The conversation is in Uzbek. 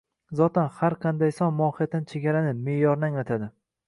Zotan, har qanday son mohiyatan chegarani, me’yorni anglatadi